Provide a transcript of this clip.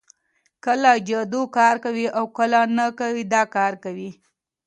کله جادو کار کوي او کله نه کوي دا کار کوي